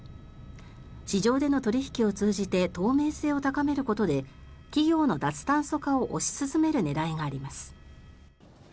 市場での取引を通じて透明性を高めることで企業の脱炭素化を推し進める狙いがあります。